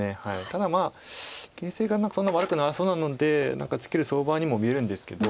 ただ形勢が何かそんな悪くなさそうなのでツケる相場にも見えるんですけど。